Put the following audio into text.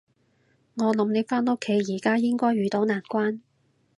我諗你屋企而家應該遇到難關